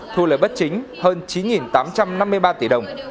thu lời bất chính hơn chín tám trăm năm mươi ba tỷ đồng